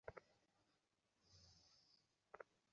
তিনি ইভরেয়া শহরে সামরিক প্রশিক্ষণ প্রতিষ্ঠানে যোগদান করেন।